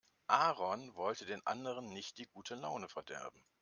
Aaron wollte den anderen nicht die gute Laune verderben.